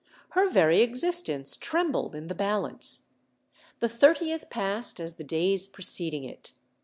Her very existence trembled in the balance. The 30th passed as the days preceding it.